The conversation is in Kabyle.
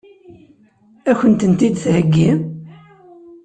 Ad k-tent-id-theggi?